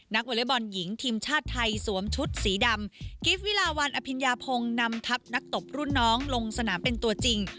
วอเล็กบอลหญิงทีมชาติไทยสวมชุดสีดำกิฟต์วิลาวันอภิญญาพงศ์นำทัพนักตบรุ่นน้องลงสนามเป็นตัวจริง